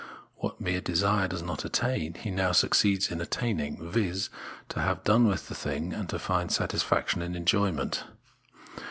What mere desire did not attain, he now succeeds in attaining, viz. to have done with the thing, and find satisfaction in enjoyment.